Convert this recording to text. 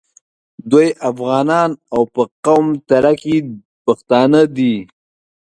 دوی افغانان او په قوم تره کي پښتانه دي.